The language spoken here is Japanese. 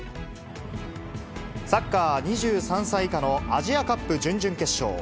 サッカー２３歳以下のアジアカップ準々決勝。